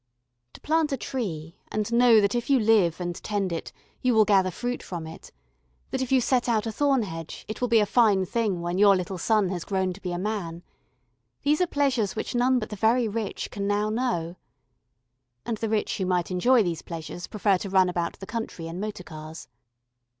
To plant a tree and know that if you live and tend it, you will gather fruit from it; that if you set out a thorn hedge, it will be a fine thing when your little son has grown to be a man these are pleasures which none but the very rich can now know. (And the rich who might enjoy these pleasures prefer to run about the country in motor cars.)